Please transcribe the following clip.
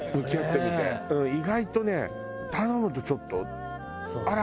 意外とね頼むとちょっとあら？